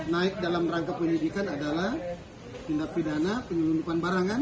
naik dalam rangka penyelidikan adalah tindak pidana penyelundupan barangan